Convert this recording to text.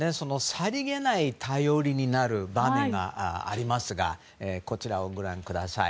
さりげなく頼りになる場面がありますがこちらをご覧ください。